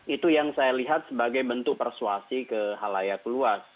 itu yang saya lihat sebagai bentuk persuasi ke halayak luas